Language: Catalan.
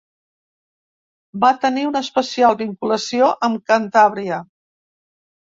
Va tenir una especial vinculació amb Cantàbria.